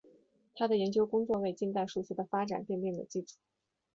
他的研究工作为近代数学的发展奠定了基础。